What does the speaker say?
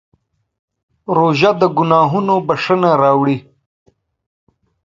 روژه د ګناهونو بښنه راوړي.